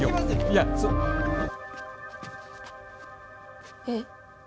いや。えっ？